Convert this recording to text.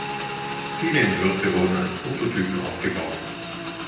Viele Entwürfe wurden als Prototypen aufgebaut.